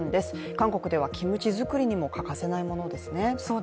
韓国ではキムチ作りにも欠かせないものですね